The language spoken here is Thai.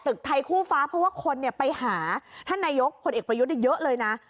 ตึกไทยคู่ฟ้าเพราะว่าคนไปหาท่านนายกพลเอกประยุทธ์เยอะเลยนะ